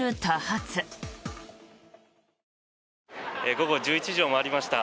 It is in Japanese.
午後１１時を回りました。